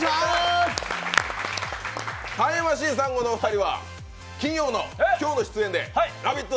タイムマシーン３号のお二人は金曜の今日の出演で「ラヴィット！」